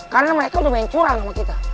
karena mereka udah main curang sama kita